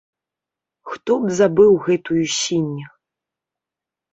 Хто б забыў гэтую сінь?!